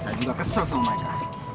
saya juga kesel sama mereka